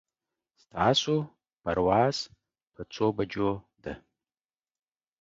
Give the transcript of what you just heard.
ستاسو پرواز په څو بجو ده